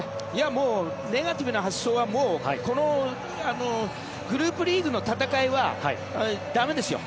もうネガティブな発想はこのグループリーグの戦いは駄目ですよ。